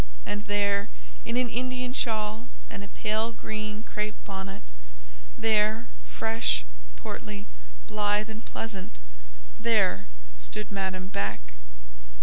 And there, in an Indian shawl and a pale green crape bonnet—there, fresh, portly, blithe, and pleasant—there stood Madame Beck.